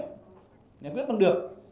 giải quyết còn được